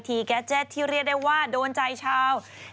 พี่ชอบแซงไหลทางอะเนาะ